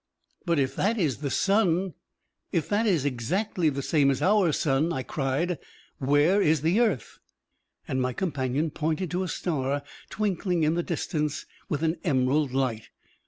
"But if that is the sun, if that is exactly the same as our sun," I cried, "where is the earth?" And my companion pointed to a star twinkling in the distance with an emerald light.